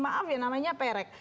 maaf ya namanya perek